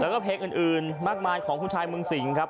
แล้วก็เพลงอื่นมากมายของคุณชายเมืองสิงครับ